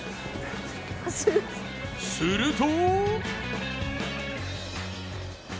すると。